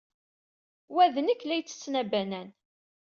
Wa d nekk la yettetten abanan.